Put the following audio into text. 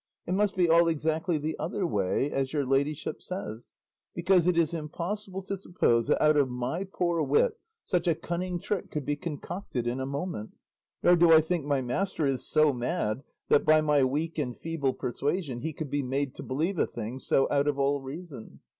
It must be all exactly the other way, as your ladyship says; because it is impossible to suppose that out of my poor wit such a cunning trick could be concocted in a moment, nor do I think my master is so mad that by my weak and feeble persuasion he could be made to believe a thing so out of all reason.